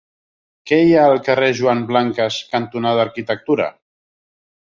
Què hi ha al carrer Joan Blanques cantonada Arquitectura?